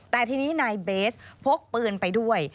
แต่ทีนี้นายเบสพกปืนไปด้วย